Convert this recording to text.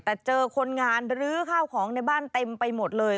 แต่เจอคนงานรื้อข้าวของในบ้านเต็มไปหมดเลย